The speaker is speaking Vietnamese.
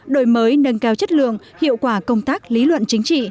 đổi mới nâng cao chất lượng hiệu quả công tác lý luận chính trị